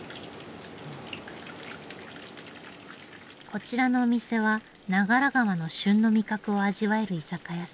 こちらのお店は長良川の旬の味覚を味わえる居酒屋さん。